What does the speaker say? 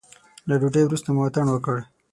له ډوډۍ وروسته مو اتڼ وکړ.